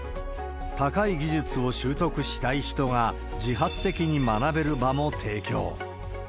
高い技術を習得したい人が自発的に学べる場も提供。